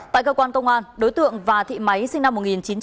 tại cơ quan công an đối tượng và thị máy sinh năm một nghìn chín trăm bảy mươi chín